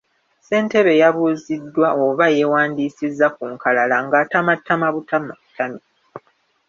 Ssentebe yabuuziddwa oba yeewandiisizza ku nkalala nga atamattama butamittami.